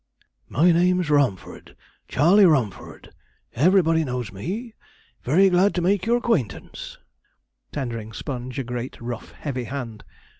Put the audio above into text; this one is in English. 'My name's Romford Charley Romford; everybody knows me. Very glad to make your 'quaintance,' tendering Sponge a great, rough, heavy hand.